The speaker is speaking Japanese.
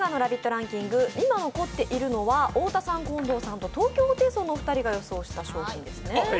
ランキング、今残っているのは太田さん、近藤さんと東京ホテイソンのお二人が予想した商品ですね。